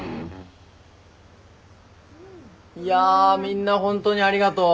いやみんなホントにありがとう。